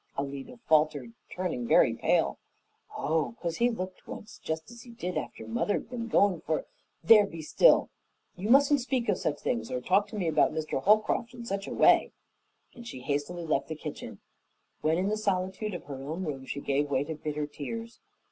Alida faltered, turning very pale. "Oh! 'Cause he looked once jest as he did after mother'd been goin' for " "There, be still! You mustn't speak of such things, or talk to me about Mr. Holcroft in such a way," and she hastily left the kitchen. When in the solitude of her own room, she gave way to bitter tears.